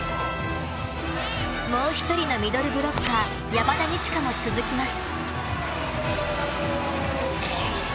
もう１人のミドルブロッカー山田二千華も続きます。